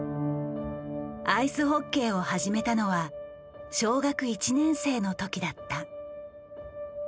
アイスホッケーを始めたのは小学１年生の時だった。